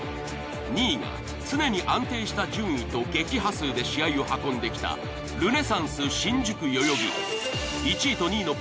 ２位が常に安定した順位と撃破数で試合を運んできたルネサンス新宿代々木。